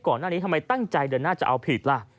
ก่อนหน้านี้ทำไมตั้งใจเดินหน้าจะเอาผิดล่ะ